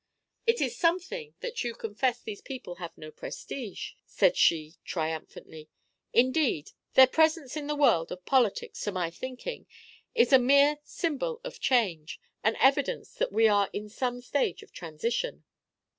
"It is something that you confess these people have no 'prestige,'" said she, triumphantly. "Indeed, their presence in the world of politics, to my thinking, is a mere symbol of change, an evidence that we are in some stage of transition."